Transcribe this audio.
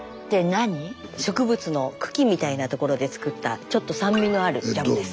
植物の茎みたいなところで作ったちょっと酸味のあるジャムです。